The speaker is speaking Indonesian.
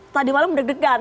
tadi malam deg degan